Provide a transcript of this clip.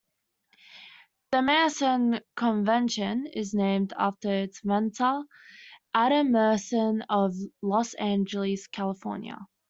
The Meyerson convention is named after its inventor, Adam Meyerson of Los Angeles, California.